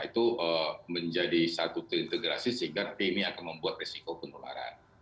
itu menjadi satu integrasi sehingga ini akan membuat risiko penularan